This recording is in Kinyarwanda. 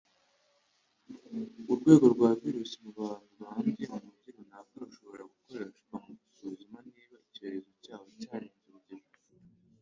Urwego rwa virusi mu bantu banduye mu mujyi runaka rushobora gukoreshwa mu gusuzuma niba icyorezo cyaho cyarenze urugero.